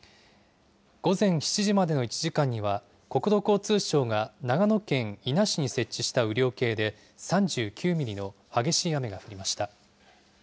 午前７時までの１時間には、国土交通省が長野県伊那市に設置した雨量計で３９ミリの激しい雨が降りました。